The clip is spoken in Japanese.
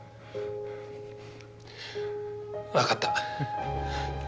分かった。